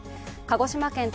鹿児島県